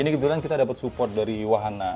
ini kebetulan kita dapat support dari wahana